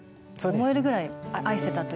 思えるぐらい愛せたというか。